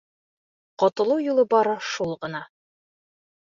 Ҡотолоу юлы бары шул ғына.